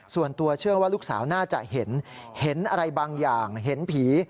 ส่วนตัวเชื่อว่าลูกสาวน่าจะเห็นเห็นอะไรบางอย่างเห็นผี